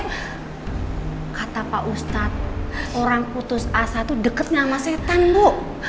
nek kata pak ustadz orang putus asa tuh deket gak sama setan bu